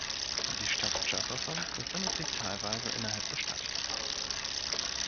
Die Stadt Jefferson befindet sich teilweise innerhalb der Stadt.